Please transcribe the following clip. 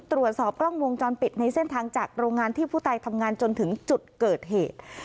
ตรวจสอบกล้องวงจรปิดในเส้นทางจากโรงงานที่ผู้ตายทำงานจนถึงจุดเกิดเหตุ